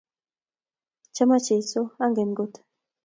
Chama Jesu; angen kot;